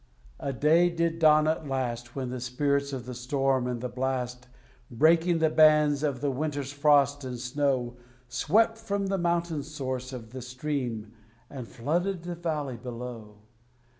A day did dawn at last, When the spirits of the storm and the blast, Breaking the bands of the winter's frost and snow, Swept from the mountain source of the stream, and flooded the valley below.